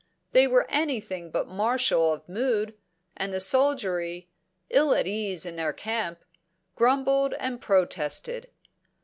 They were anything but martial of mood, and the soldiery, ill at ease in their camp, grumbled and protested.